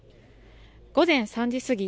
午前３時過ぎ